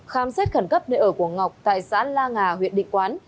khám xét khẩn cấp nơi ở của ngọc tại xã la nga huyện định quán